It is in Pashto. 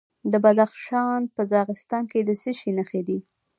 د بدخشان په راغستان کې د څه شي نښې دي؟